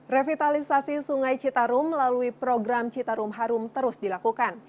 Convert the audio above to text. revitalisasi sungai citarum melalui program citarum harum terus dilakukan